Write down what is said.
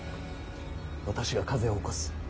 私が風を起こす。